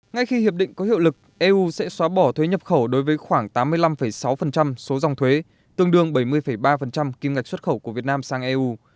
ngay khi hiệp định có hiệu lực eu sẽ xóa bỏ thuế nhập khẩu đối với khoảng tám mươi năm sáu số dòng thuế tương đương bảy mươi ba kim ngạch xuất khẩu của việt nam sang eu